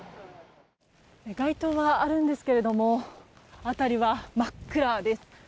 街頭はあるんですが辺りは真っ暗です。